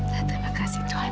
terima kasih tuhan